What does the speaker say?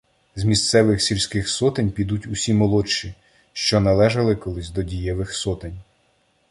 З місцевих сільських сотень підуть усі молодші, що належали колись до дієвих сотень.